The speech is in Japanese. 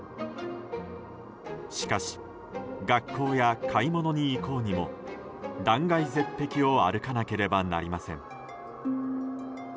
しかし学校や買い物に行こうにも断崖絶壁を歩かなければなりません。